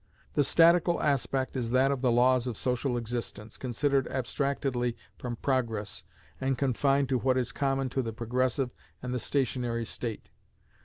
The statical aspect is that of the laws of social existence, considered abstractedly from progress, and confined to what is common to the progressive and the stationary state.